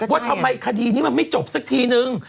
ว่าทำไมคดีนี้มันไม่จบสักทีนึง